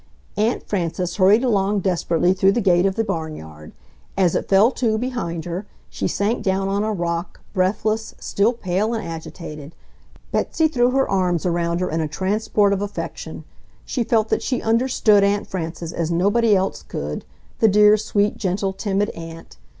Aunt Frances hurried along desperately through the gate of the barnyard. As it fell to behind her she sank down on a rock, breathless, still pale and agitated. Betsy threw her arms around her in a transport of affection. She felt that she UNDERSTOOD Aunt Frances as nobody else could, the dear, sweet, gentle, timid aunt!